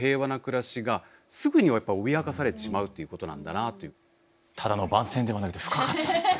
それくらいただの番宣ではなくて深かったですね。